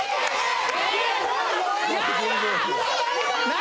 何？